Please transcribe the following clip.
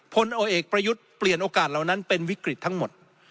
พลโอเอกประยุทธ์เปลี่ยนโอกาสเหล่านั้นเป็นวิกฤตทั้งหมด